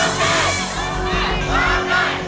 ร้องได้ร้องได้ร้องได้